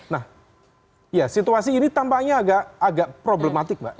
nah situasi ini tampaknya agak problematik mbak